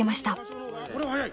これは速い。